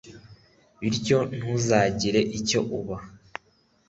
bityo ntuzagira icyo uba»